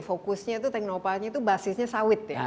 fokusnya itu teknopanya itu basisnya sawit ya